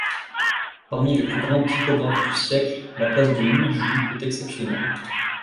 Parmi les plus grands typographes du siècle, la place de Louis Jou est exceptionnelle.